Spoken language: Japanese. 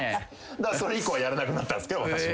だからそれ以降はやらなくなったんすけど私も。